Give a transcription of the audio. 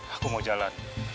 aku mau jalan